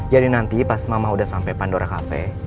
jadi nanti pas mama udah sampai pandora cafe